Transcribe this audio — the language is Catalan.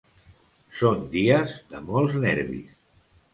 Són dies de molts nervis.